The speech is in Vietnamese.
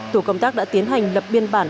tổ công tác đã tiến hành lập biên bản